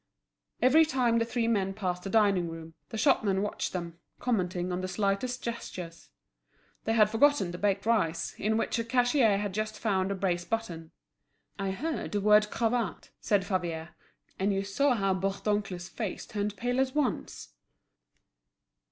Every time the three men passed the dining room, the shopmen watched them, commenting on the slightest gestures. They had forgotten the baked rice, in which a cashier had just found a brace button. "I heard the word 'cravat,'" said Favier. "And you saw how Bourdoncle's face turned pale at once."